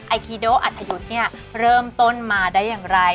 คีโดอัธยุทธ์เนี่ยเริ่มต้นมาได้อย่างไร